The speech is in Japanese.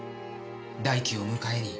大樹を迎えに。